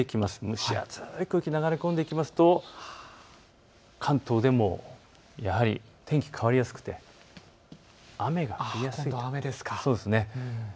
蒸し暑い空気が流れ込んでくると関東でも天気、変わりやすくて雨が降りやすいと。